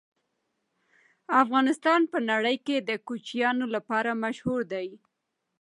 افغانستان په نړۍ کې د کوچیانو لپاره مشهور دی.